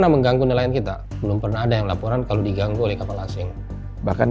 mengganggu nelayan kita belum pernah ada yang laporan kalau diganggu oleh kapal asing bahkan